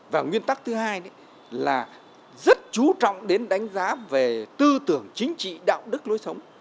và nguyên tắc thứ hai là rất chú trọng đến đánh giá về tư tưởng chính trị đạo đức lối sống